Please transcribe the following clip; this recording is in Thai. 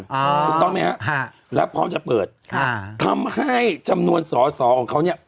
ถูกต้องไหมฮะค่ะแล้วพร้อมจะเปิดค่ะทำให้จำนวนสอสอของเขาเนี่ย